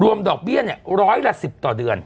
รวมดอกเบี้ยเนี่ยร้อยละ๑๐ต่อเดือน